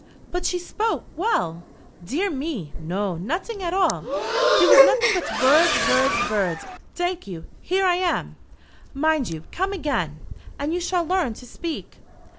"But she spoke well." "Dear me, no; noting at all. Dere was noting but vords, vords, vords. Tank you; here I am. Mind you come again, and you shall learn to speak."